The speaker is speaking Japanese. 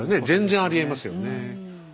全然ありえますね。